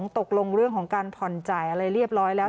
ตกลงเรื่องของการผ่อนจ่ายอะไรเรียบร้อยแล้ว